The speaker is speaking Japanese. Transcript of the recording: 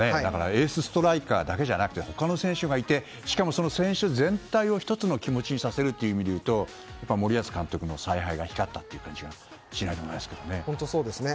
エースストライカーだけではなく他の選手がいてしかもその選手全体を１つの気持ちにさせるという意味で言うと森保監督の采配が光ったという本当にそうですね。